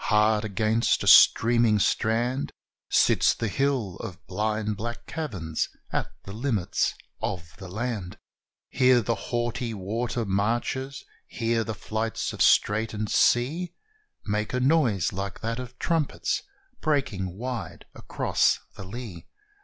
Hard against a streaming strand, Sits the hill of blind black caverns, at the limits of the land. Here the haughty water marches here the flights of straitened sea Make a noise like that of trumpets, breaking wide across the lea!